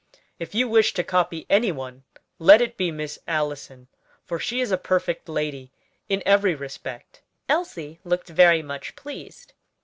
If you wish to copy any one let it be Miss Allison, for she is a perfect lady in every respect." Elsie looked very much pleased.